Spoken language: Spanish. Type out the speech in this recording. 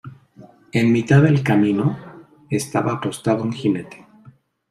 en mitad del camino estaba apostado un jinete: